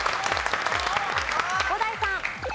伍代さん。